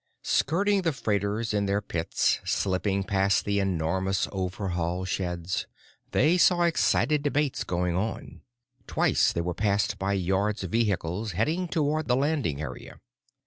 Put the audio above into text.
Skirting the freighters in their pits, slipping past the enormous overhaul sheds, they saw excited debates going on. Twice they were passed by Yards vehicles heading toward the landing area.